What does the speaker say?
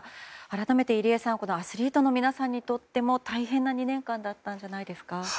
改めて入江さんアスリートの皆さんにとっても大変な２年間だったんじゃないですか？